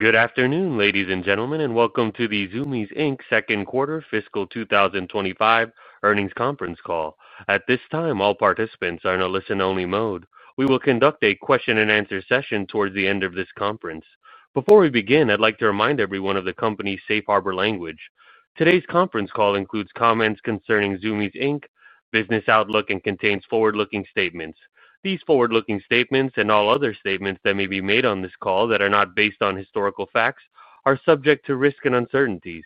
Good afternoon, ladies and gentlemen, and welcome to the Zumiez Inc. Second Quarter Fiscal 2025 Earnings Conference Call. At this time, all participants are in a listen-only mode. We will conduct a question-and-answer session towards the end of this conference. Before we begin, I'd like to remind everyone of the company's safe harbor language. Today's conference call includes comments concerning Zumiez Inc. business outlook and contains forward-looking statements. These forward-looking statements and all other statements that may be made on this call that are not based on historical facts are subject to risk and uncertainties.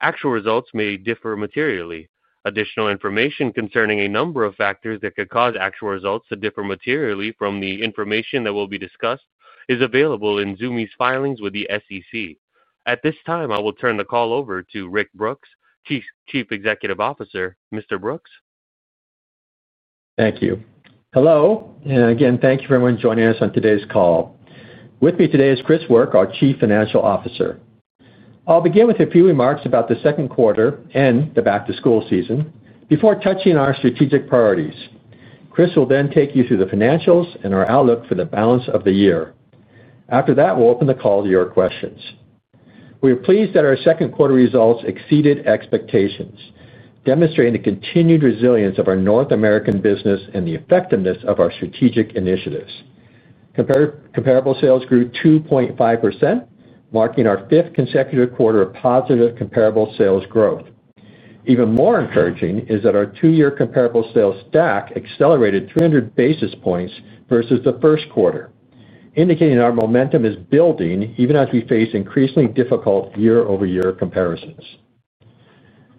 Actual results may differ materially. Additional information concerning a number of factors that could cause actual results to differ materially from the information that will be discussed is available in Zumiez Inc. filings with the SEC. At this time, I will turn the call over to Rick Brooks, Chief Executive Officer. Mr. Brooks. Thank you. Hello, and again, thank you for everyone joining us on today's call. With me today is Chris Work, our Chief Financial Officer. I'll begin with a few remarks about the second quarter and the back-to-school season before touching on our strategic priorities. Chris will then take you through the financials and our outlook for the balance of the year. After that, we'll open the call to your questions. We are pleased that our second quarter results exceeded expectations, demonstrating the continued resilience of our North American business and the effectiveness of our strategic initiatives. Comparable sales grew 2.5%, marking our fifth consecutive quarter of positive comparable sales growth. Even more encouraging is that our two-year comparable sales stack accelerated 300 basis points versus the first quarter, indicating our momentum is building even as we face increasingly difficult year-over-year comparisons.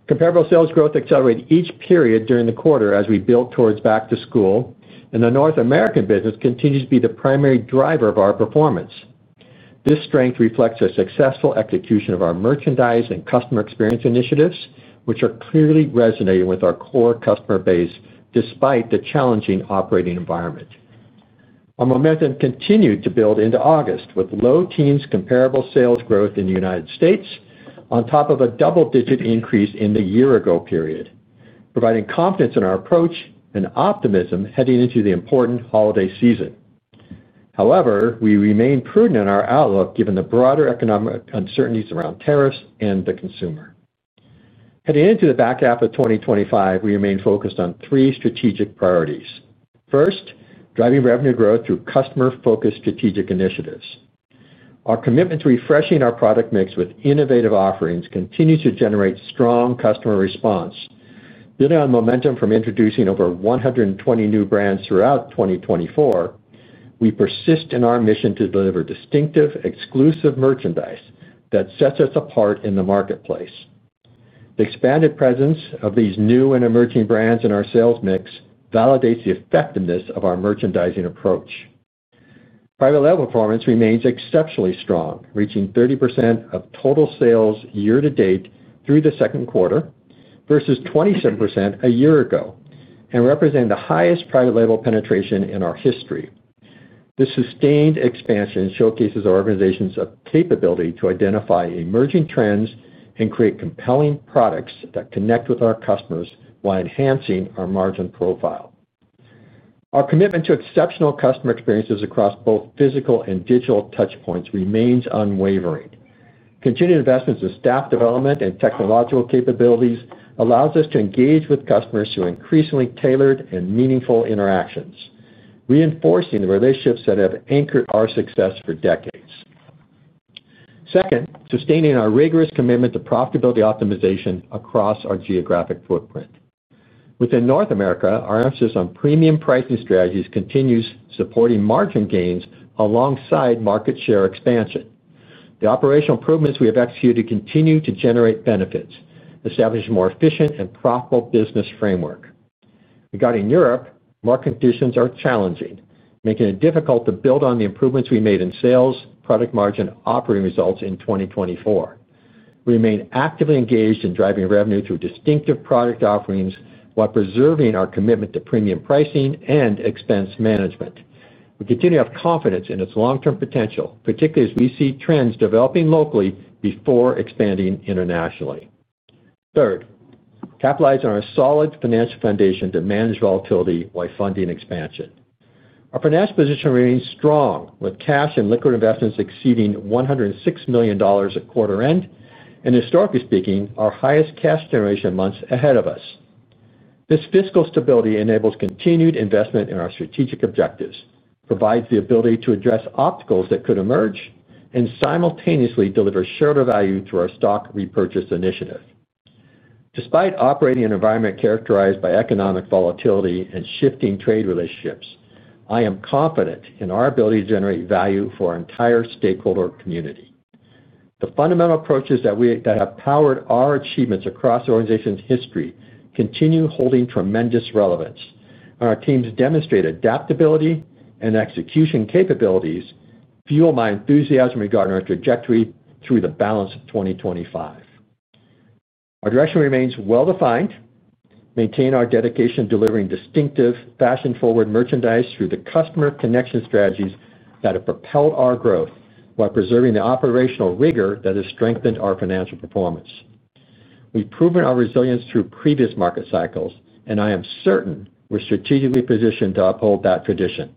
Comparable sales growth accelerated each period during the quarter as we built towards back-to-school, and the North American business continues to be the primary driver of our performance. This strength reflects a successful execution of our merchandise and customer experience initiatives, which are clearly resonating with our core customer base despite the challenging operating environment. Our momentum continued to build into August, with low teens comparable sales growth in the United States, on top of a double-digit increase in the year-ago period, providing confidence in our approach and optimism heading into the important holiday season. However, we remain prudent in our outlook given the broader economic uncertainties around tariffs and the consumer. Heading into the back half of 2025, we remain focused on three strategic priorities. First, driving revenue growth through customer-focused strategic initiatives. Our commitment to refreshing our product mix with innovative offerings continues to generate strong customer response. Building on momentum from introducing over 120 new brands throughout 2024, we persist in our mission to deliver distinctive, exclusive merchandise that sets us apart in the marketplace. The expanded presence of these new and emerging brands in our sales mix validates the effectiveness of our merchandising approach. Private label performance remains exceptionally strong, reaching 30% of total sales year to date through the second quarter versus 27% a year ago and representing the highest private label penetration in our history. This sustained expansion showcases our organization's capability to identify emerging trends and create compelling products that connect with our customers while enhancing our margin profile. Our commitment to exceptional customer experiences across both physical and digital touchpoints remains unwavering. Continued investments in staff development and technological capabilities allow us to engage with customers through increasingly tailored and meaningful interactions, reinforcing the relationships that have anchored our success for decades. Second, sustaining our rigorous commitment to profitability optimization across our geographic footprint. Within North America, our emphasis on premium pricing strategies continues supporting margin gains alongside market share expansion. The operational improvements we have executed continue to generate benefits, establishing a more efficient and profitable business framework. Regarding Europe, market conditions are challenging, making it difficult to build on the improvements we made in sales, product margin, and operating results in 2024. We remain actively engaged in driving revenue through distinctive product offerings while preserving our commitment to premium pricing and expense management. We continue to have confidence in its long-term potential, particularly as we see trends developing locally before expanding internationally. Third, capitalizing on a solid financial foundation to manage volatility while funding expansion. Our financial position remains strong, with cash and liquid investments exceeding $106 million at quarter end and, historically speaking, our highest cash generation months ahead of us. This fiscal stability enables continued investment in our strategic objectives, provides the ability to address obstacles that could emerge, and simultaneously delivers shareable value through our stock repurchase initiative. Despite operating in an environment characterized by economic volatility and shifting trade relationships, I am confident in our ability to generate value for our entire stakeholder community. The fundamental approaches that have powered our achievements across the organization's history continue holding tremendous relevance, and our teams demonstrate adaptability and execution capabilities fuel my enthusiasm regarding our trajectory through the balance of 2025. Our direction remains well-defined, maintaining our dedication to delivering distinctive, fashion-forward merchandise through the customer connection strategies that have propelled our growth while preserving the operational rigor that has strengthened our financial performance. We've proven our resilience through previous market cycles, and I am certain we're strategically positioned to uphold that tradition.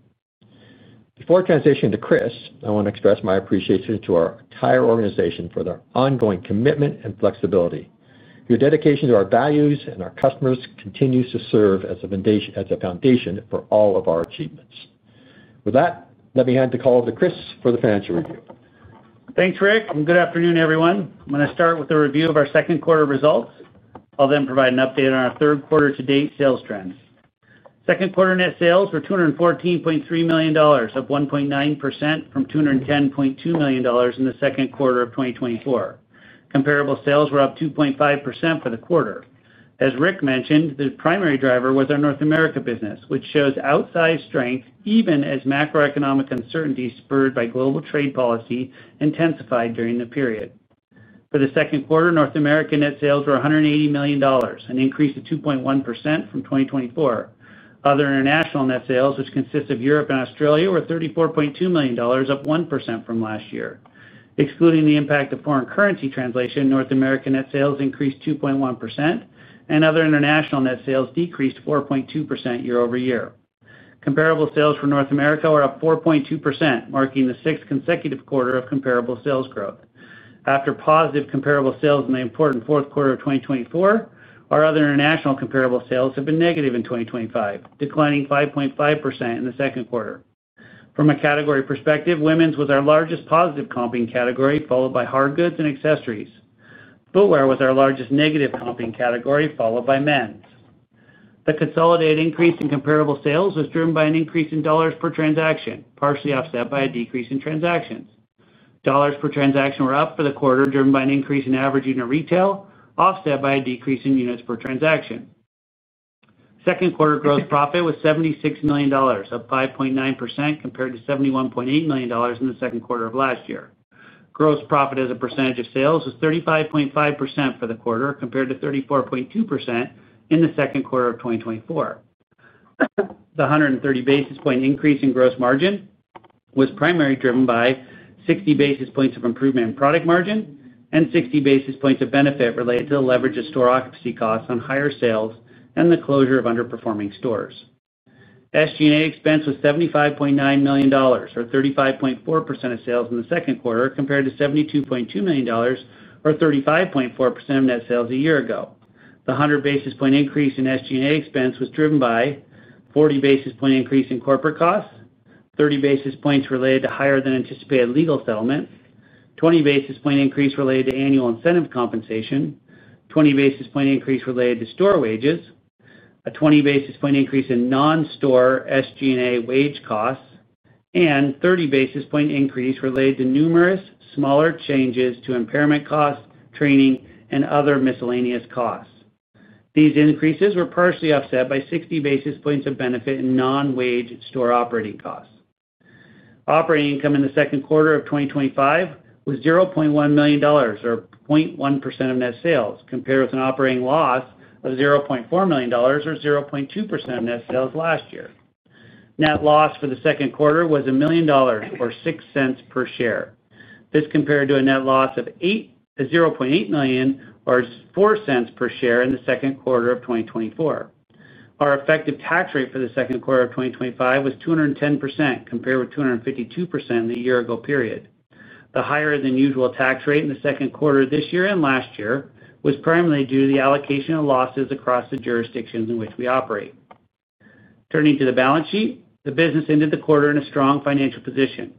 Before transitioning to Chris, I want to express my appreciation to our entire organization for their ongoing commitment and flexibility. Your dedication to our values and our customers continues to serve as a foundation for all of our achievements. With that, let me hand the call over to Chris for the financial review. Thanks, Rick, and good afternoon, everyone. I'm going to start with a review of our second quarter results. I'll then provide an update on our third quarter-to-date sales trends. Second quarter net sales were $214.3 million, up 1.9% from $210.2 million in the second quarter of 2024. Comparable sales were up 2.5% for the quarter. As Rick mentioned, the primary driver was our North America business, which shows outside strength even as macroeconomic uncertainty spurred by global trade policy intensified during the period. For the second quarter, North America net sales were $180 million, an increase of 2.1% from 2024. Other international net sales, which consist of Europe and Australia, were $34.2 million, up 1% from last year. Excluding the impact of foreign currency translation, North America net sales increased 2.1%, and other international net sales decreased 4.2% year- over- year. Comparable sales for North America were up 4.2%, marking the sixth consecutive quarter of comparable sales growth. After positive comparable sales in the important fourth quarter of 2024, our other international comparable sales have been negative in 2025, declining 5.5% in the second quarter. From a category perspective, women's was our largest positive comping category, followed by hard goods and accessories. Footwear was our largest negative comping category, followed by men's. The consolidated increase in comparable sales was driven by an increase in dollars per transaction, partially offset by a decrease in transactions. Dollars per transaction were up for the quarter, driven by an increase in average unit retail, offset by a decrease in units per transaction. Second quarter gross profit was $76 million, up 5.9% compared to $71.8 million in the second quarter of last year. Gross profit as a percentage of sales was 35.5% for the quarter, compared to 34.2% in the second quarter of 2024. The 130 basis point increase in gross margin was primarily driven by 60 basis points of improvement in product margin and 60 basis points of benefit related to the leverage of store occupancy costs on higher sales and the closure of underperforming stores. SG&A expense was $75.9 million, or 35.4% of sales in the second quarter, compared to $72.2 million, or 35.4% of net sales a year ago. The 100 basis point increase in SG&A expense was driven by a 40 basis point increase in corporate costs, 30 basis points related to higher than anticipated legal settlement, a 20 basis point increase related to annual incentive compensation, a 20 basis point increase related to store wages, a 20 basis point increase in non-store SG&A wage costs, and a 30 basis point increase related to numerous smaller changes to impairment costs, training, and other miscellaneous costs. These increases were partially offset by 60 basis points of benefit in non-wage store operating costs. Operating income in the second quarter of 2025 was $0.1 million, or 0.1% of net sales, compared with an operating loss of $0.4 million, or 0.2% of net sales last year. Net loss for the second quarter was $1 million or $0.06 per share. This compared to a net loss of $0.8 million or $0.04 per share in the second quarter of 2024. Our effective tax rate for the second quarter of 2025 was 210%, compared with 252% in the year-ago period. The higher than usual tax rate in the second quarter of this year and last year was primarily due to the allocation of losses across the jurisdictions in which we operate. Turning to the balance sheet, the business ended the quarter in a strong financial position.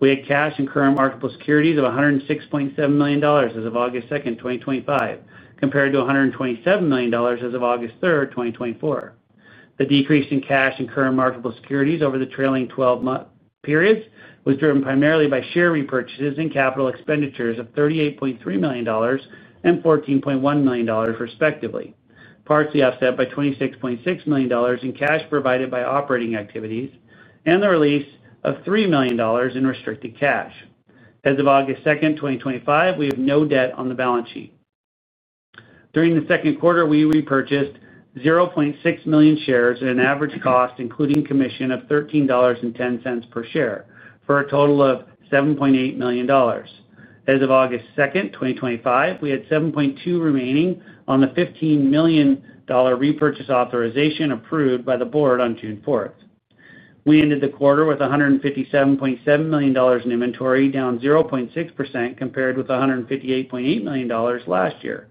We had cash and current marketable securities of $106.7 million as of August 2nd, 2025, compared to $127 million as of August 3rd, 2024. The decrease in cash and current marketable securities over the trailing 12 month periods was driven primarily by share repurchases and capital expenditures of $38.3 million and $14.1 million, respectively, partially offset by $26.6 million in cash provided by operating activities and the release of $3 million in restricted cash. As of August 2nd, 2025, we have no debt on the balance sheet. During the second quarter, we repurchased 0.6 million shares at an average cost, including commission, of $13.10 per share for a total of $7.8 million. As of August 2nd, 2025, we had $7.2 million remaining on the $15 million repurchase authorization approved by the board on June 4th. We ended the quarter with $157.7 million in inventory, down 0.6% compared with $158.8 million last year.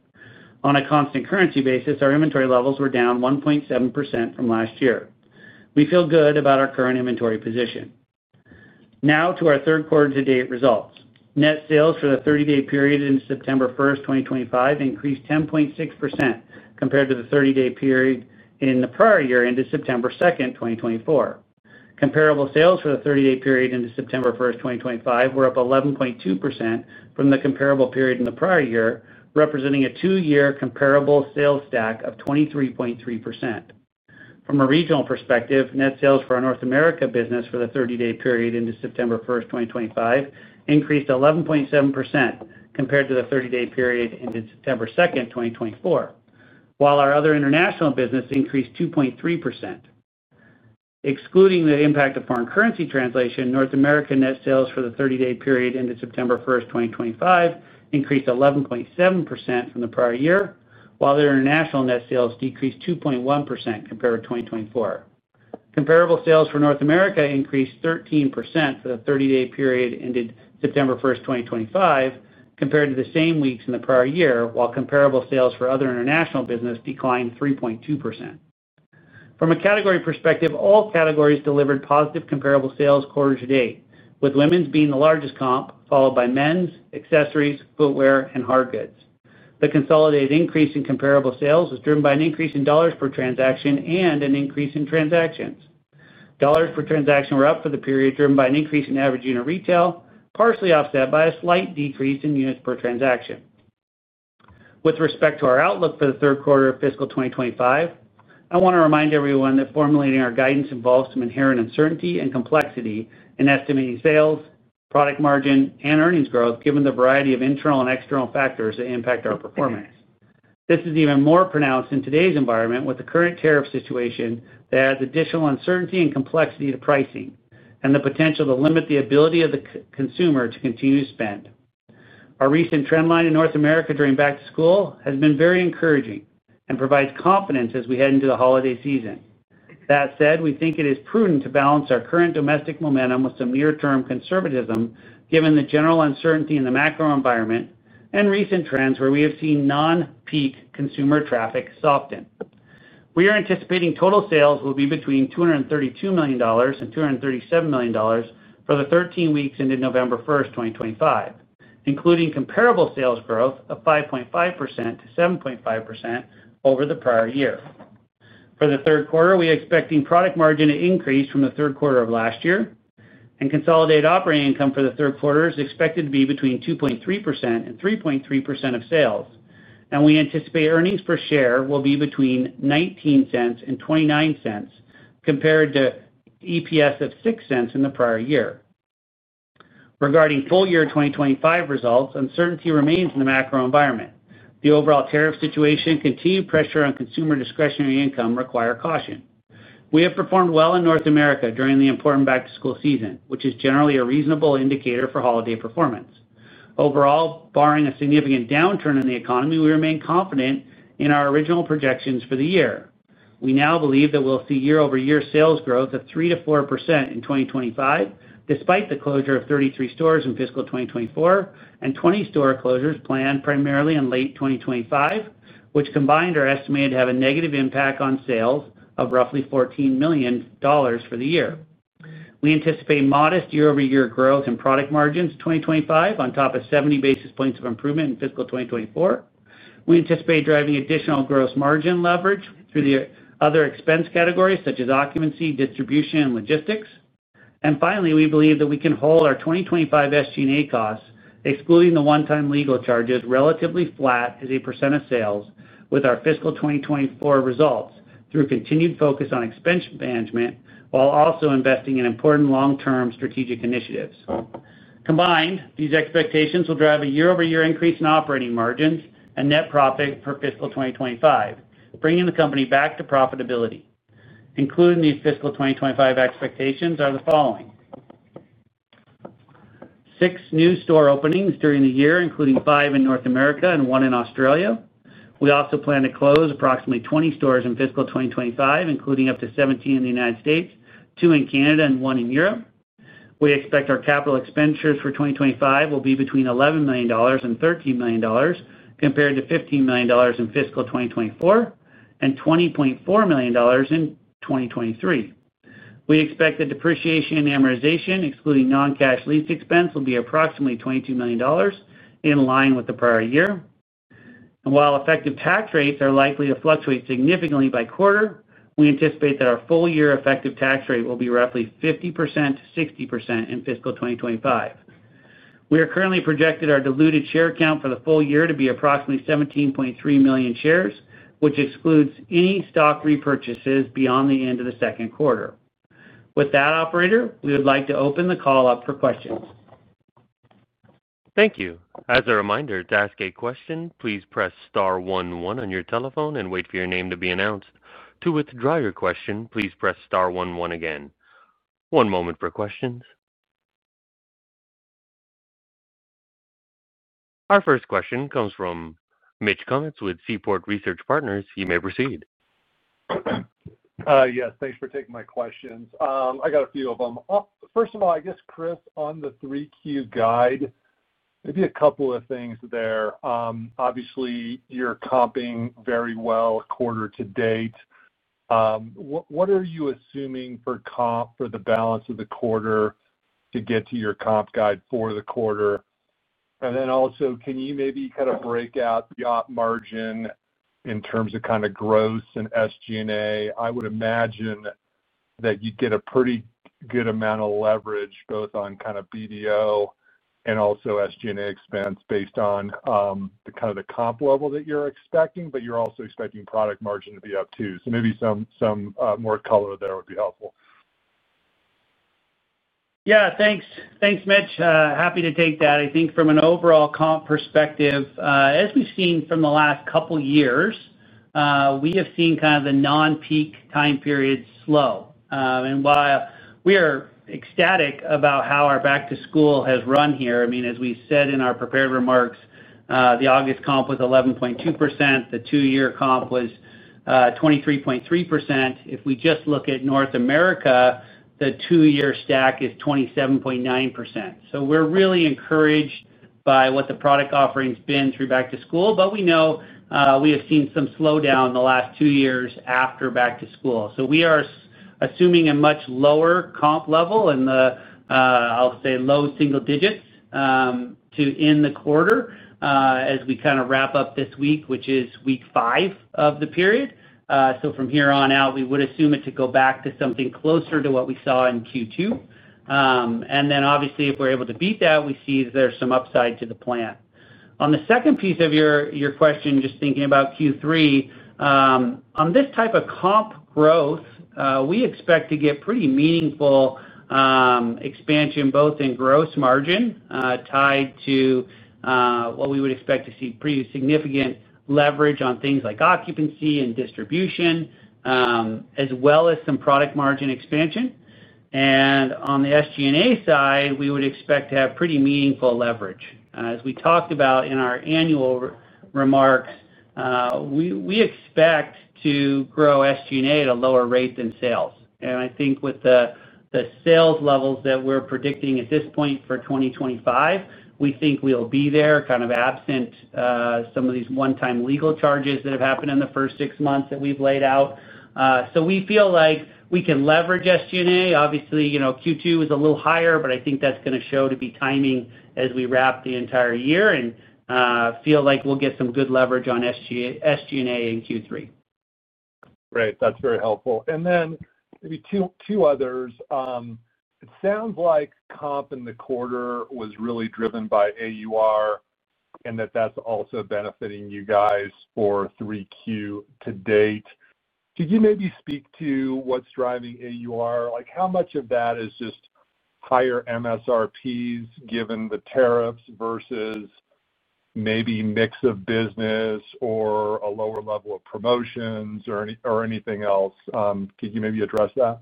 On a constant currency basis, our inventory levels were down 1.7% from last year. We feel good about our current inventory position. Now to our third quarter-to-date results. Net sales for the 30-day period into September 1st, 2025, increased 10.6% compared to the 30-day period in the prior year into September 2nd, 2024. Comparable sales for the 30-day period into September 1st, 2025, were up 11.2% from the comparable period in the prior year, representing a two-year comparable sales stack of 23.3%. From a regional perspective, net sales for our North America business for the 30-day period into September 1st, 2025, increased 11.7% compared to the 30-day period ended September 2nd, 2024, while our other international business increased 2.3%. Excluding the impact of foreign currency translation, North America net sales for the 30-day period ended September 1st, 2025, increased 11.7% from the prior year, while their international net sales decreased 2.1% compared with 2024. Comparable sales for North America increased 13% for the 30-day period ended September 1st, 2025, compared to the same weeks in the prior year, while comparable sales for other international business declined 3.2%. From a category perspective, all categories delivered positive comparable sales quarter-to-date, with women's being the largest comp, followed by men's, accessories, footwear, and hard goods. The consolidated increase in comparable sales was driven by an increase in dollars per transaction and an increase in transactions. Dollars per transaction were up for the period, driven by an increase in average unit retail, partially offset by a slight decrease in units per transaction. With respect to our outlook for the third quarter of fiscal 2025, I want to remind everyone that formulating our guidance involves some inherent uncertainty and complexity in estimating sales, product margin, and earnings growth, given the variety of internal and external factors that impact our performance. This is even more pronounced in today's environment, with the current tariff situation that adds additional uncertainty and complexity to pricing and the potential to limit the ability of the consumer to continue to spend. Our recent trend line in North America during back-to-school has been very encouraging and provides confidence as we head into the holiday season. That said, we think it is prudent to balance our current domestic momentum with some near-term conservatism, given the general uncertainty in the macro environment and recent trends where we have seen non-peak consumer traffic soften. We are anticipating total sales will be between $232 million and $237 million for the 13 weeks into November 1st, 2025, including comparable sales growth of 5.5% - 7.5% over the prior year. For the third quarter, we are expecting product margin to increase from the third quarter of last year, and consolidated operating income for the third quarter is expected to be between 2.3% and 3.3% of sales. We anticipate earnings per share will be between $0.19 and $0.29 compared to EPS of $0.06 in the prior year. Regarding full-year 2025 results, uncertainty remains in the macro environment. The overall tariff situation and continued pressure on consumer discretionary income require caution. We have performed well in North America during the important back-to-school season, which is generally a reasonable indicator for holiday performance. Overall, barring a significant downturn in the economy, we remain confident in our original projections for the year. We now believe that we'll see year-over-year sales growth of 3% - 4% in 2025, despite the closure of 33 stores in fiscal 2024 and 20 store closures planned primarily in late 2025, which combined are estimated to have a negative impact on sales of roughly $14 million for the year. We anticipate modest year-over-year growth in product margins in 2025, on top of 70 basis points of improvement in fiscal 2024. We anticipate driving additional gross margin leverage through the other expense categories, such as occupancy, distribution, and logistics. We believe that we can hold our 2025 SG&A costs, excluding the one-time legal charges, relatively flat as a percent of sales with our fiscal 2024 results, through continued focus on expense management while also investing in important long-term strategic initiatives. Combined, these expectations will drive a year-over-year increase in operating margins and net profit for fiscal 2025, bringing the company back to profitability. Included in these fiscal 2025 expectations are the following: six new store openings during the year, including five in North America and one in Australia. We also plan to close approximately 20 stores in fiscal 2025, including up to 17 in the United States, two in Canada, and one in Europe. We expect our capital expenditures for 2025 will be between $11 million and $13 million, compared to $15 million in fiscal 2024 and $20.4 million in 2023. We expect that depreciation and amortization, excluding non-cash lease expense, will be approximately $22 million, in line with the prior year. While effective tax rates are likely to fluctuate significantly by quarter, we anticipate that our full-year effective tax rate will be roughly 50% - 60% in fiscal 2025. We are currently projecting our diluted share count for the full year to be approximately 17.3 million shares, which excludes any stock repurchases beyond the end of the second quarter. With that, we would like to open the call up for questions. Thank you. As a reminder, to ask a question, please press star 11 on your telephone and wait for your name to be announced. To withdraw your question, please press star 11 again. One moment for questions. Our first question comes from Mitch Kummetz with Seaport Research Partners. You may proceed. Yes, thanks for taking my questions. I got a few of them. First of all, I guess, Chris, on the 3Q guide, maybe a couple of things there. Obviously, you're comping very well quarter to date. What are you assuming for comp for the balance of the quarter to get to your comp guide for the quarter? Also, can you maybe kind of break out the op margin in terms of kind of gross and SG&A? I would imagine that you'd get a pretty good amount of leverage both on kind of BDO and also SG&A expense based on the kind of the comp level that you're expecting, but you're also expecting product margin to be up too. Maybe some more color there would be helpful. Yeah, thanks. Thanks, Mitch. Happy to take that. I think from an overall comp perspective, as we've seen from the last couple of years, we have seen kind of the non-peak time period slow. While we are ecstatic about how our back-to-school has run here, I mean, as we said in our prepared remarks, the August comp was 11.2%. The two-year comp was 23.3%. If we just look at North America, the two-year stack is 27.9%. We are really encouraged by what the product offering's been through back-to-school, but we know we have seen some slowdown in the last two years after back-to-school. We are assuming a much lower comp level in the, I'll say, low single digits to end the quarter as we kind of wrap up this week, which is week five of the period. From here on out, we would assume it to go back to something closer to what we saw in Q2. Obviously, if we're able to beat that, we see that there's some upside to the plan. On the second piece of your question, just thinking about Q3, on this type of comp growth, we expect to get pretty meaningful expansion both in gross margin tied to what we would expect to see pretty significant leverage on things like occupancy and distribution, as well as some product margin expansion. On the SG&A side, we would expect to have pretty meaningful leverage. As we talked about in our annual remarks, we expect to grow SG&A at a lower rate than sales. I think with the sales levels that we're predicting at this point for 2025, we think we'll be there kind of absent some of these one-time legal charges that have happened in the first six months that we've laid out. We feel like we can leverage SG&A. Obviously, you know, Q2 was a little higher, but I think that's going to show to be timing as we wrap the entire year and feel like we'll get some good leverage on SG&A in Q3. Right, that's very helpful. Maybe two others. It sounds like comp in the quarter was really driven by AUR and that that's also benefiting you guys for 3Q to date. Could you maybe speak to what's driving AUR? Like how much of that is just higher MSRPs given the tariffs versus maybe mix of business or a lower level of promotions or anything else? Could you maybe address that?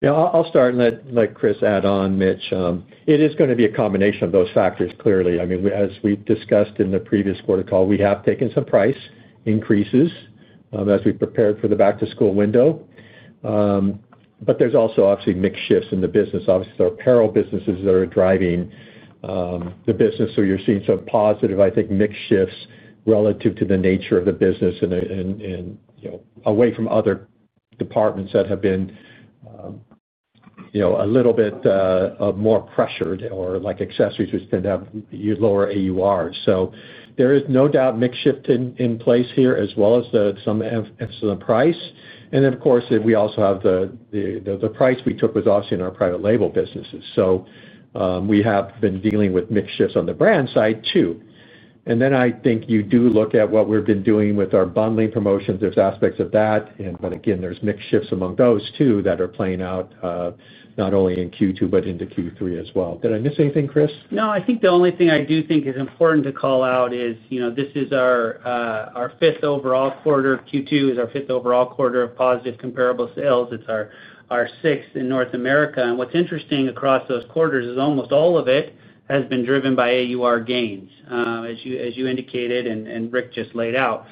Yeah, I'll start and let Chris add on, Mitch. It is going to be a combination of those factors, clearly. I mean, as we discussed in the previous quarter call, we have taken some price increases as we prepared for the back-to-school window. There's also obviously mixed shifts in the business. Obviously, there are apparel businesses that are driving the business, so you're seeing some positive, I think, mixed shifts relative to the nature of the business and away from other departments that have been a little bit more pressured or like accessories, which tend to have you lower AUR. There is no doubt mixed shift in place here, as well as some emphasis on price. The price we took was obviously in our private label businesses. We have been dealing with mixed shifts on the brand side too. I think you do look at what we've been doing with our bundling promotions. There's aspects of that, but again, there's mixed shifts among those too that are playing out not only in Q2, but into Q3 as well. Did I miss anything, Chris? No, I think the only thing I do think is important to call out is, you know, this is our fifth overall quarter. Q2 is our fifth overall quarter of positive comparable sales. It's our sixth in North America. What's interesting across those quarters is almost all of it has been driven by AUR gains, as you indicated and Rick just laid out.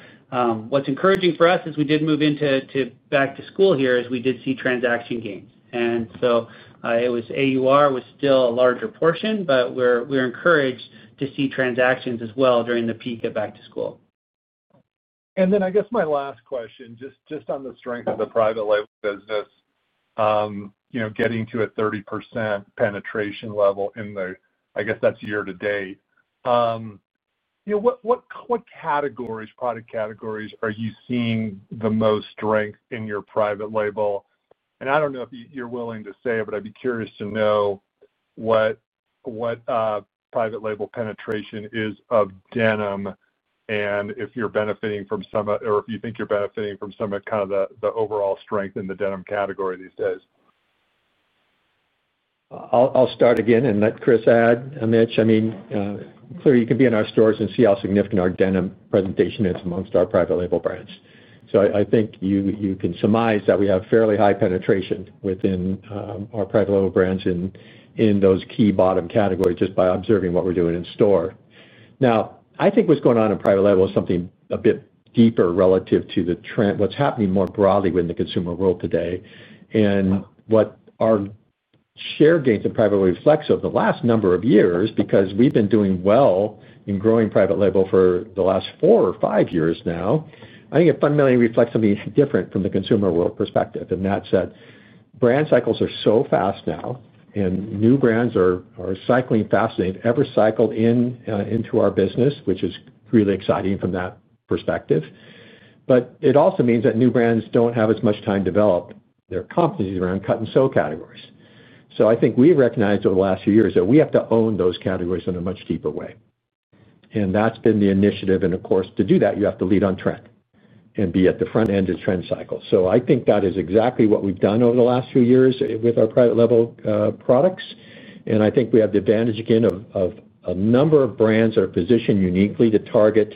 What's encouraging for us is we did move into back-to-school here as we did see transaction gains. AUR was still a larger portion, but we're encouraged to see transactions as well during the peak of back-to-school. I guess my last question, just on the strength of the private label business, you know, getting to a 30% penetration level in the, I guess that's year to date. What categories, product categories are you seeing the most strength in your private label? I don't know if you're willing to say it, but I'd be curious to know what private label penetration is of denim and if you're benefiting from some, or if you think you're benefiting from some of kind of the overall strength in the denim category these days. I'll start again and let Chris add, Mitch. Clearly you can be in our stores and see how significant our denim presentation is amongst our private label brands. I think you can surmise that we have fairly high penetration within our private label brands in those key bottom categories just by observing what we're doing in store. I think what's going on in private label is something a bit deeper relative to what's happening more broadly within the consumer world today. What our share gains in private label reflect over the last number of years, because we've been doing well in growing private label for the last four or five years now, I think it fundamentally reflects something different from the consumer world perspective. That's that brand cycles are so fast now, and new brands are cycling faster than they've ever cycled into our business, which is really exciting from that perspective. It also means that new brands don't have as much time to develop their competencies around cut and sew categories. I think we've recognized over the last few years that we have to own those categories in a much deeper way. That's been the initiative. Of course, to do that, you have to lead on track and be at the front end of the trend cycle. I think that is exactly what we've done over the last few years with our private label products. I think we have the advantage again of a number of brands that are positioned uniquely to target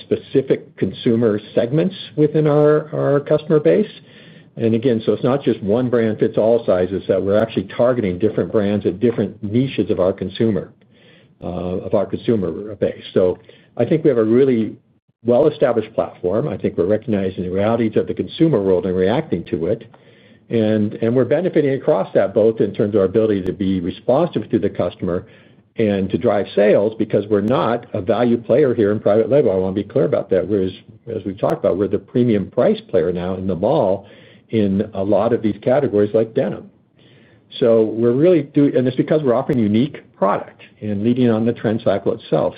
specific consumer segments within our customer base. Again, it's not just one brand fits all sizes; we're actually targeting different brands at different niches of our consumer base. I think we have a really well-established platform. I think we're recognizing the realities of the consumer world and reacting to it. We're benefiting across that both in terms of our ability to be responsive to the customer and to drive sales because we're not a value player here in private label. I want to be clear about that. Whereas, as we've talked about, we're the premium price player now in the mall in a lot of these categories like denim. We're really doing it, and it's because we're offering a unique product and leading on the trend cycle itself.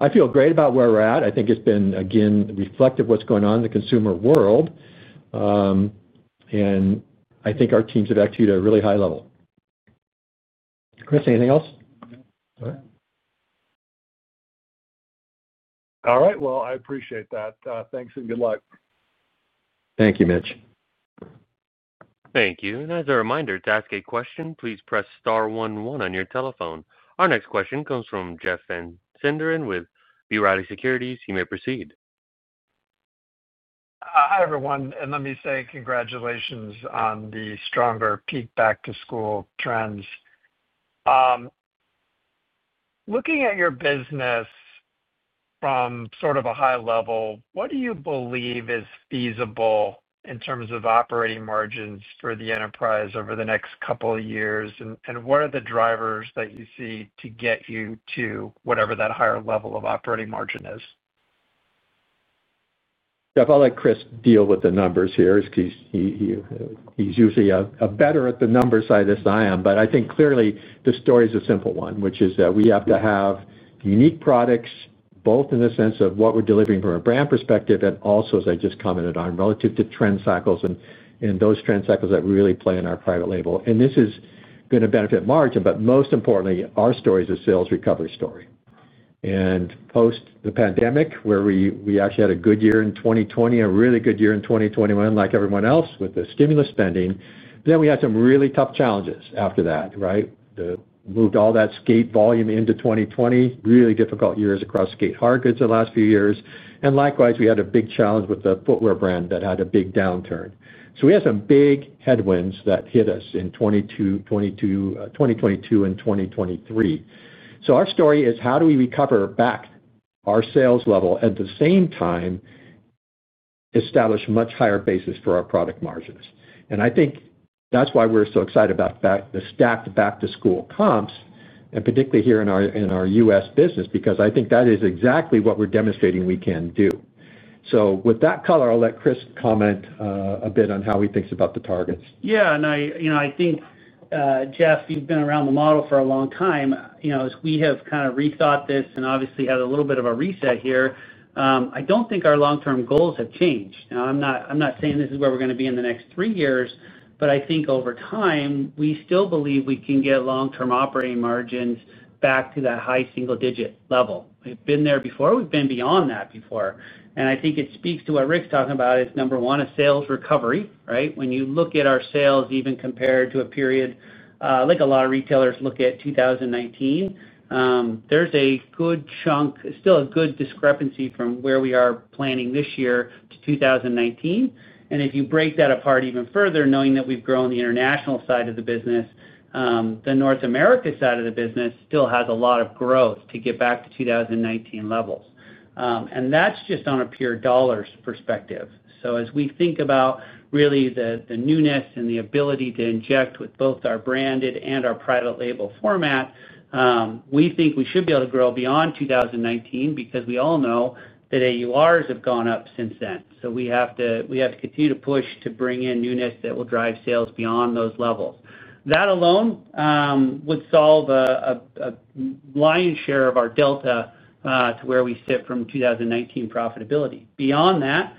I feel great about where we're at. I think it's been, again, reflective of what's going on in the consumer world. I think our team's adapted to it at a really high level. Chris, anything else? All right. I appreciate that. Thanks and good luck. Thank you, Mitch. Thank you. As a reminder, to ask a question, please press star 11 on your telephone. Our next question comes from Jeff Van Sinderen with B. Riley Securities. You may proceed. Hi, everyone. Let me say congratulations on the stronger peak back-to-school trends. Looking at your business from sort of a high level, what do you believe is feasible in terms of operating margins for the enterprise over the next couple of years? What are the drivers that you see to get you to whatever that higher level of operating margin is? Jeff, I'll let Chris deal with the numbers here. He's usually better at the numbers side than I am. I think clearly the story is a simple one, which is that we have to have unique products both in the sense of what we're delivering from a brand perspective and also, as I just commented on, relative to trend cycles and those trend cycles that really play in our private label. This is going to benefit margin, but most importantly, our story is a sales recovery story. Post the pandemic, where we actually had a good year in 2020, a really good year in 2021, like everyone else, with the stimulus spending, we had some really tough challenges after that, right? We moved all that skate volume into 2020, really difficult years across skate hard goods the last few years. Likewise, we had a big challenge with the footwear brand that had a big downturn. We had some big headwinds that hit us in 2022 and 2023. Our story is how do we recover back our sales level at the same time establishing a much higher basis for our product margins? I think that's why we're so excited about the stacked back-to-school comps, and particularly here in our U.S. business, because I think that is exactly what we're demonstrating we can do. With that color, I'll let Chris comment a bit on how he thinks about the targets. Yeah, and I think, Jeff, you've been around the model for a long time. You know, as we have kind of rethought this and obviously had a little bit of a reset here, I don't think our long-term goals have changed. I'm not saying this is where we're going to be in the next three years, but I think over time, we still believe we can get long-term operating margins back to that high single-digit level. We've been there before. We've been beyond that before. I think it speaks to what Rick's talking about. It's number one, a sales recovery, right? When you look at our sales, even compared to a period like a lot of retailers look at 2019, there's a good chunk, still a good discrepancy from where we are planning this year to 2019. If you break that apart even further, knowing that we've grown the international side of the business, the North America side of the business still has a lot of growth to get back to 2019 levels. That's just on a pure dollars perspective. As we think about really the newness and the ability to inject with both our branded and our private label format, we think we should be able to grow beyond 2019 because we all know that AURs have gone up since then. We have to continue to push to bring in newness that will drive sales beyond those levels. That alone would solve a lion's share of our delta to where we sit from 2019 profitability. Beyond that,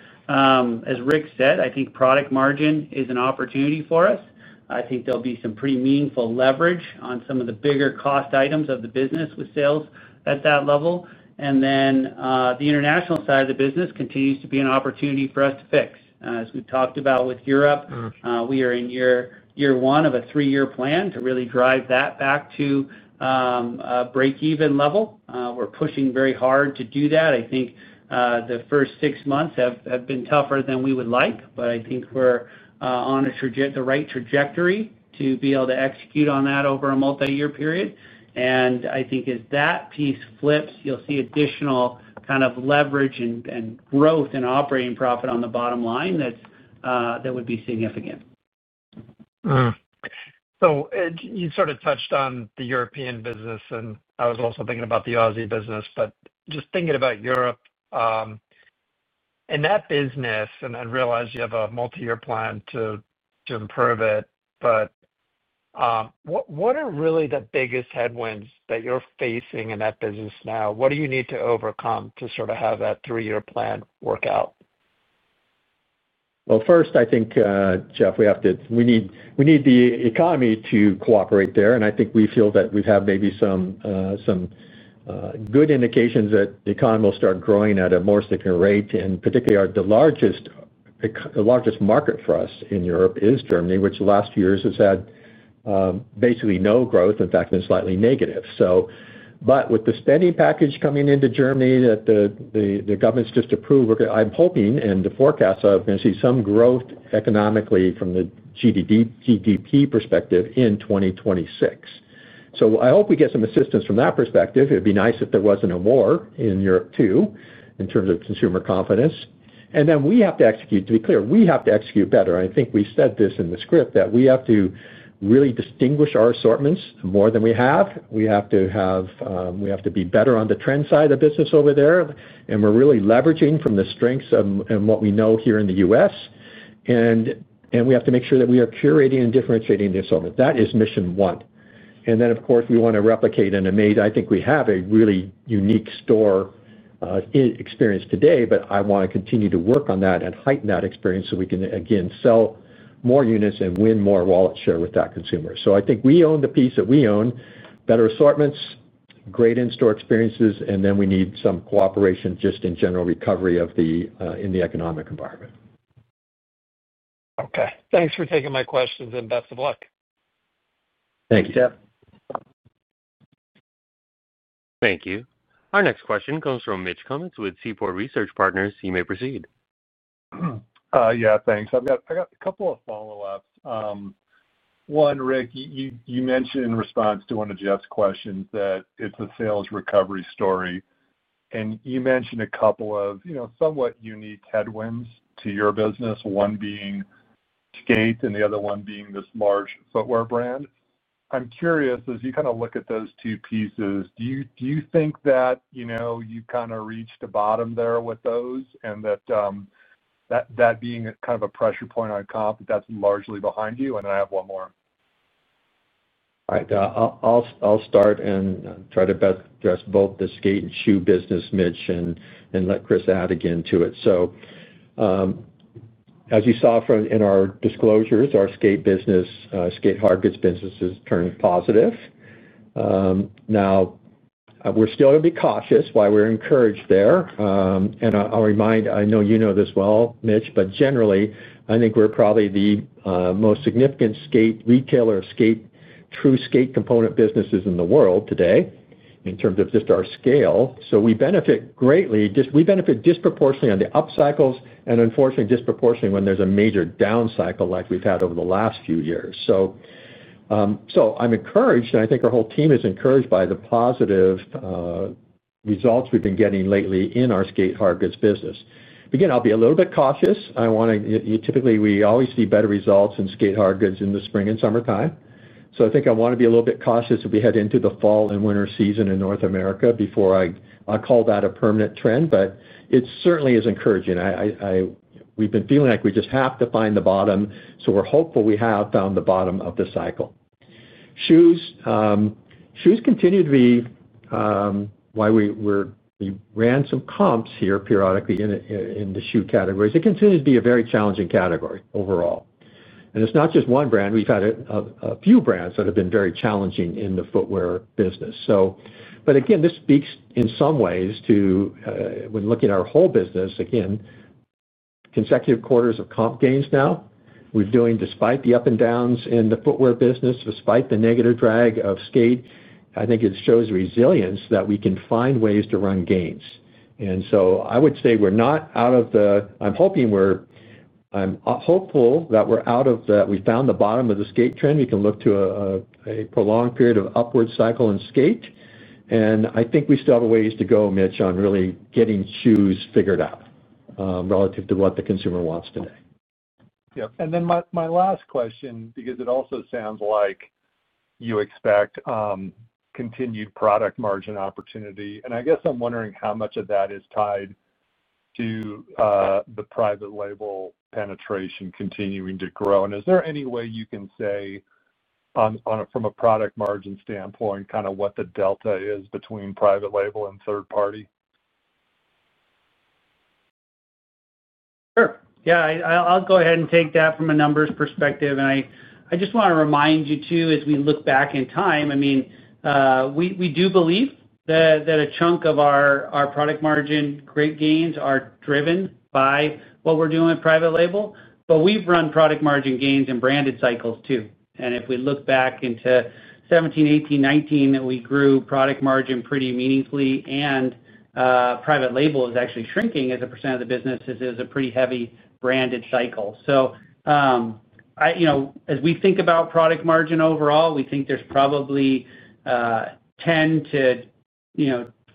as Rick said, I think product margin is an opportunity for us. I think there'll be some pretty meaningful leverage on some of the bigger cost items of the business with sales at that level. The international side of the business continues to be an opportunity for us to fix. As we've talked about with Europe, we are in year one of a three-year plan to really drive that back to a break-even level. We're pushing very hard to do that. I think the first six months have been tougher than we would like, but I think we're on the right trajectory to be able to execute on that over a multi-year period. As that piece flips, you'll see additional kind of leverage and growth in operating profit on the bottom line that would be significant. You sort of touched on the European business, and I was also thinking about the Aussie business, just thinking about Europe and that business. I realize you have a multi-year plan to improve it, but what are really the biggest headwinds that you're facing in that business now? What do you need to overcome to sort of have that three-year plan work out? First, I think, Jeff, we need the economy to cooperate there. I think we feel that we have maybe some good indications that the economy will start growing at a more significant rate. Particularly, the largest market for us in Europe is Germany, which the last few years has had basically no growth. In fact, it's slightly negative. With the spending package coming into Germany that the government's just approved, I'm hoping, and the forecasts are going to see some growth economically from the GDP perspective in 2026. I hope we get some assistance from that perspective. It would be nice if there was more in Europe too, in terms of consumer confidence. We have to execute, to be clear, we have to execute better. I think we said this in the script that we have to really distinguish our assortments more than we have. We have to be better on the trend side of the business over there. We're really leveraging from the strengths and what we know here in the U.S. We have to make sure that we are curating and differentiating the assortment. That is mission one. Of course, we want to replicate and amaze. I think we have a really unique store experience today, but I want to continue to work on that and heighten that experience so we can again sell more units and win more wallet share with that consumer. I think we own the piece that we own, better assortments, great in-store experiences, and then we need some cooperation just in general recovery in the economic environment. Okay, thanks for taking my questions, and best of luck. Thank you. Thank you, Jeff. Thank you. Our next question comes from Mitch Kummetz with Seaport Research Partners. You may proceed. Yeah, thanks. I've got a couple of follow-ups. One, Rick, you mentioned in response to one of Jeff's questions that it's a sales recovery story. You mentioned a couple of, you know, somewhat unique headwinds to your business, one being skate and the other one being this large footwear brand. I'm curious, as you kind of look at those two pieces, do you think that, you know, you kind of reached the bottom there with those and that that being kind of a pressure point on comp, that that's largely behind you? I have one more. All right. I'll start and try to best address both the skate and shoe business, Mitch, and let Chris add again to it. As you saw in our disclosure, it's our skate business, skate hard goods businesses turned positive. We're still going to be cautious, why we're encouraged there. I'll remind, I know you know this well, Mitch, but generally, I think we're probably the most significant skate retailer, true skate component businesses in the world today in terms of just our scale. We benefit greatly. We benefit disproportionately on the up cycles and unfortunately disproportionately when there's a major down cycle like we've had over the last few years. I'm encouraged, and I think our whole team is encouraged by the positive results we've been getting lately in our skate hard goods business. I'll be a little bit cautious. Typically, we always see better results in skate hard goods in the spring and summertime. I think I want to be a little bit cautious if we head into the fall and winter season in North America before I call that a permanent trend, but it certainly is encouraging. We've been feeling like we just have to find the bottom, so we're hopeful we have found the bottom of the cycle. Shoes continue to be why we ran some comps here periodically in the shoe categories. It continues to be a very challenging category overall. It's not just one brand. We've had a few brands that have been very challenging in the footwear business. This speaks in some ways to, when looking at our whole business, consecutive quarters of comp gains now. We're doing, despite the up and downs in the footwear business, despite the negative drag of skate, I think it shows resilience that we can find ways to run gains. I would say we're not out of the, I'm hoping we're, I'm hopeful that we're out of that, we found the bottom of the skate trend. We can look to a prolonged period of upward cycle in skate. I think we still have a ways to go, Mitch, on really getting shoes figured out relative to what the consumer wants today. Yeah, my last question, because it also sounds like you expect continued product margin opportunity. I guess I'm wondering how much of that is tied to the private label penetration continuing to grow. Is there any way you can say from a product margin standpoint what the delta is between private label and third party? Sure. I'll go ahead and take that from a numbers perspective. I just want to remind you too, as we look back in time, we do believe that a chunk of our product margin great gains are driven by what we're doing with private label. We've run product margin gains in branded cycles too. If we look back into 2017, 2018, 2019, we grew product margin pretty meaningfully, and private label was actually shrinking as a percent of the business. It is a pretty heavy branded cycle. As we think about product margin overall, we think there's probably 10% -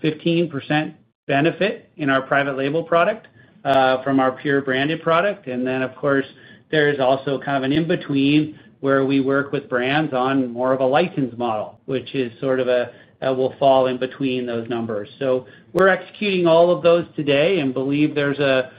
15% benefit in our private label product from our pure branded product. Of course, there is also kind of an in-between where we work with brands on more of a licensed model, which is sort of a, that will fall in between those numbers. We're executing all of those today and believe there's a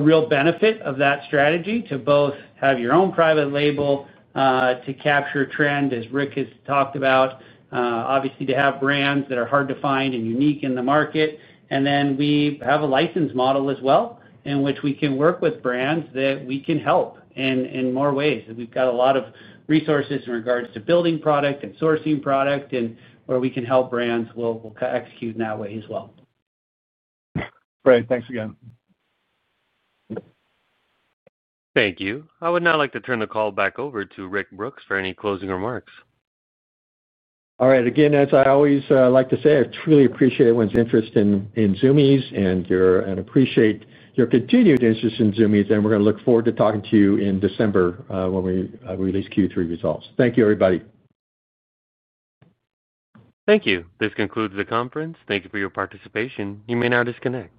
real benefit of that strategy to both have your own private label to capture trend, as Rick has talked about, obviously to have brands that are hard to find and unique in the market. We have a licensed model as well, in which we can work with brands that we can help in more ways. We've got a lot of resources in regards to building product and sourcing product, and where we can help brands we'll execute in that way as well. Great. Thanks again. Thank you. I would now like to turn the call back over to Rick Brooks for any closing remarks. All right. As I always like to say, I truly appreciate everyone's interest in Zumiez and appreciate your continued interest in Zumiez. We're going to look forward to talking to you in December when we release Q3 results. Thank you, everybody. Thank you. This concludes the conference. Thank you for your participation. You may now disconnect.